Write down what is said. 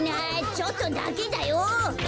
ちょっとだけだよ。